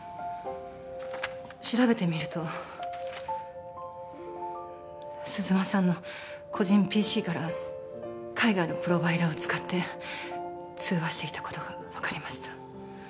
調べてみると鈴間さんの個人ＰＣから海外のプロバイダーを使って通話していたことが分かりました